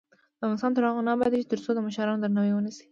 افغانستان تر هغو نه ابادیږي، ترڅو د مشرانو درناوی ونشي.